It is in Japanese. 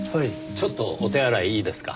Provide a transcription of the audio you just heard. ちょっとお手洗いいいですか？